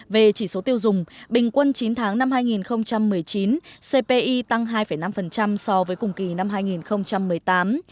về chỉ số tiêu dùng bình quân chín tháng năm hai nghìn một mươi chín cpi tăng hai năm so với cùng kỳ năm hai nghìn một mươi tám